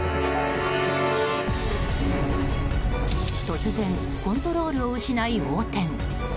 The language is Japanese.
突然コントロールを失い、横転。